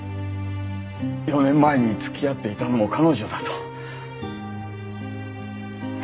４年前に付き合っていたのも彼女だと。